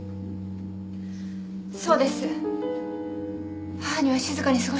そうです。